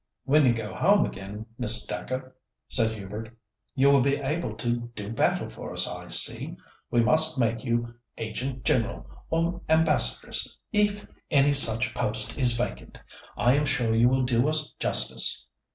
"When you go home again, Miss Dacre," said Hubert, "you will be able to do battle for us, I see. We must make you Agent General, or Ambassadress, if any such post is vacant. I am sure you will do us justice."